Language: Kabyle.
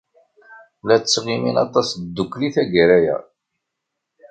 La ttɣimin aṭas ddukkli tagara-a.